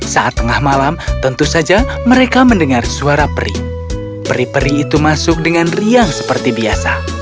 saat tengah malam tentu saja mereka mendengar suara peri peri peri itu masuk dengan riang seperti biasa